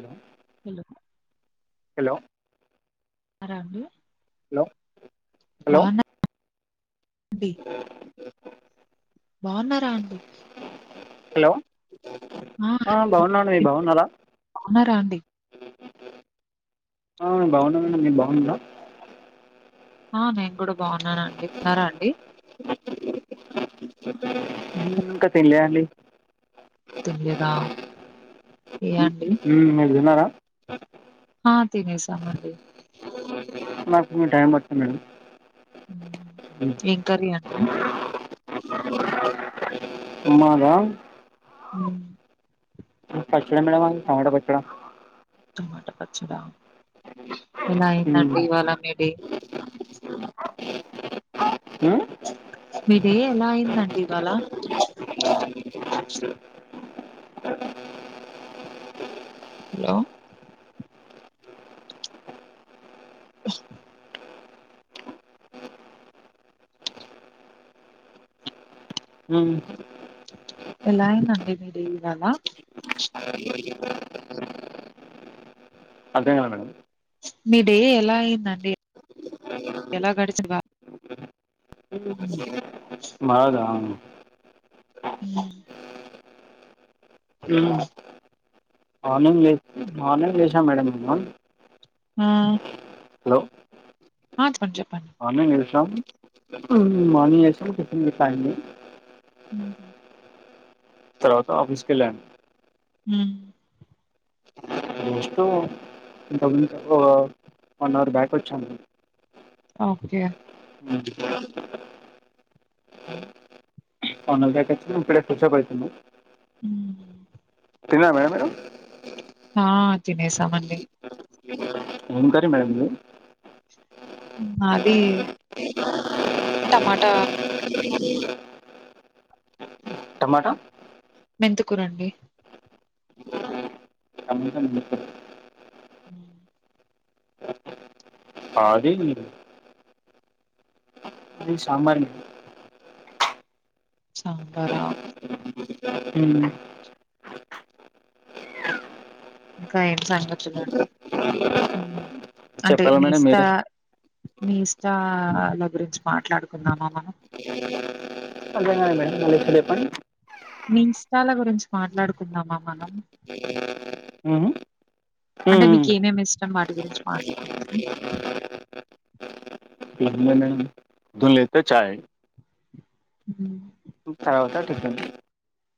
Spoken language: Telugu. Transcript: మ్మ్ హ్ ఎందుకు హలో ఆ రఘు హలో బాగున్నావా అ బాగున్నారా అండి హలో ఆ బాగున్నాం మీరు బాగున్నారా ఉన్నారా అండి ఆ బాగున్న మేడమ్ మీరు బాగున్నారా ఆ నేను కూడా బాగున్నానండి తిన్నారా అండి ఇంకా తినలే అండి తెలియదా మ్ మీరు తిన్నారా ఆ తినేసామండి నాకు టైం పడుతుంది మేడమ్ ఏంకర్రి అండి ఉన్నారా ఉ పచ్చడ మేడమ్ మాది టమట పచ్చడా టమాటా పచ్చడా హ మీ డే ఎలా అయిందండి ఇవాళ హలో ఎలా అయిందండి మీకు ఇవాళ అదేం గాలే మేడం మీ డే ఎలా అయిందండి ఎలా గడిచింది మాదా ఆ హ మార్నింగ్ లే మార్నింగ్ లేసా మేడం మేము ఉ హలో ఆ చెప్ప చెప్పండి మార్నింగ్ చేసాం మార్నింగ్ చేసాం టిఫిన్ చేసాం ఉ తర్వాత ఆఫీస్ కి వెళ్ళాం ఉ జస్ట్ ఇంకా వన్ అవర్ బ్యాక్ వచ్చాను okay okay one year back వచ్చినం ఇప్పుడే ఫ్రెష్ అప్ అవుతున్నావ్ హ్మ్ తిన్నారా మేడం మీ రు ఆ తినేసా మండి ఏం కారీ మేడం మీ ది అది టమాటా కూర టమాటా మెంతికూర అండి మెంతికూర ఉ ఆది మాది సాంబారిక సాంబారా హ్మ్మ్ ఇంకా ఏంటి సంగతులండి అంటే చెప్పాలి మేడం మీస్తా మీరే మీ ఇష్టాల గురించి మాట్లాడుకుందామా మనం అర్థం కాలే మేడం మళ్ళీ ఒక్కసారి చెప్పండి మీ ఇష్టాల గురించి మాట్లాడుకుందామా మనం మ్మ్. అంటే ఏం మీకు ఏమేమి ఇష్టం వాటి గురించి మాట్లాడుకుందమ ఏమి లేదండి లేకపోతే చాయ్ హ్మ్మ్ తాగుతా టిఫిన్ టీ